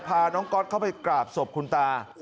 พาน้องก๊อตเข้าไปกราบศพคุณตา